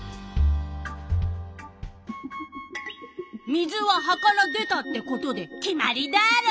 水は葉から出たってことで決まりダーロ！